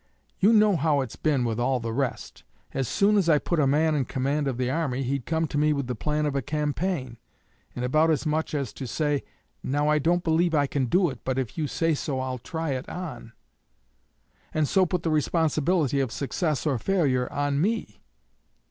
"You know how it's been with all the rest. As soon as I put a man in command of the army, he'd come to me with the plan of a campaign, and about as much as to say: 'Now I don't believe I can do it, but if you say so I'll try it on,' and so put the responsibility of success or failure on me.